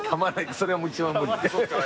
それは一番無理。